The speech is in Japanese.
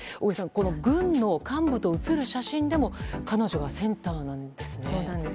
軍の幹部と写る写真でも彼女はセンターなんですね。